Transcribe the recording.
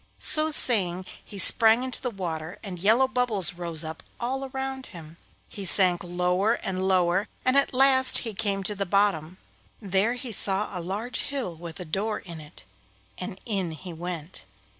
So saying he sprang into the water, and yellow bubbles rose up all around him. He sank lower and lower, and at last he came to the bottom. There he saw a large hill with a door in it, and in he went.